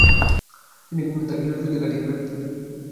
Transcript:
তিনি তার গেরিলা যুদ্ধের ঘাঁটি হিসেবে ব্যবহার করতে থাকেন।